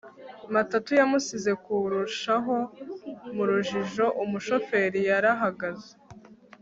matatu yamusize kurushaho mu rujijo. umushoferi yarahagaze